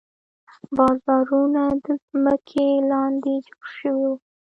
بازارونه د ځمکې لاندې جوړ شوي وو.